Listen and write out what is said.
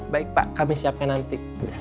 baik pak kami siapkan nanti